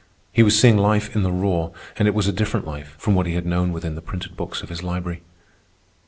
He was seeing life in the raw, and it was a different life from what he had known within the printed books of his library.